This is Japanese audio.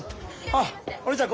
あっおねえちゃん